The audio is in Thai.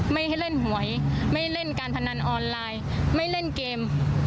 ไม่ให้เล่นหวยไม่เล่นการพนันออนไลน์ไม่เล่นเกม